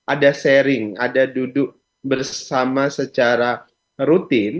ada sharing ada duduk bersama secara rutin